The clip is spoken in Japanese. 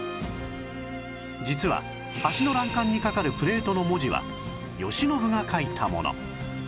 実は橋の欄干にかかるプレートの文字は慶喜が書いたもの